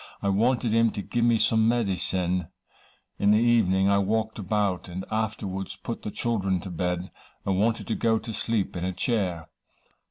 I wanted him to give me some medicine. In the evening I walked about, and afterwards put the children to bed, and wanted to go to sleep in a chair.